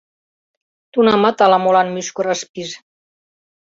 Тунамат ала-молан мӱшкыр ыш пиж.